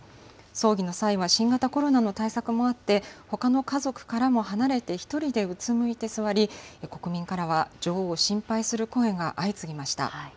葬儀の際は、新型コロナの対策もあって、ほかの家族からも離れて１人でうつむいて座り、国民からは女王を心配する声が相次ぎました。